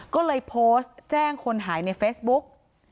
ก็เลยโพสต์แจ้งคนหายในเฟซบุ๊ก